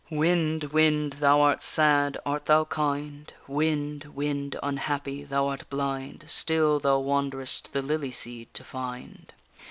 _Wind, wind! thou art sad, art thou kind? Wind, wind, unhappy! thou art blind, still thou wanderest the lily seed to find.